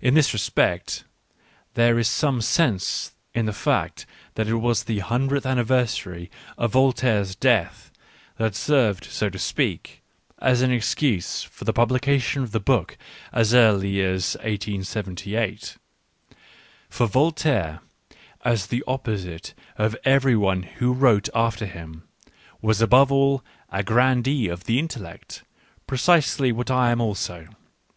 In this respect there is some sense in the fact that it was the hundredth anniversary of Voltaire's death that served, so to speak, as an excuse for the publication of the book as early as 1878. For Vol taire, as the opposite of every one who wrote after him, was above all a grandee of the intellect : pre cisely what I am also.